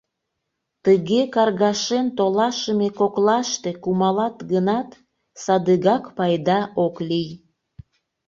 Тыге каргашен толашыме коклаште кумалат гынат, садыгак пайда ок лий.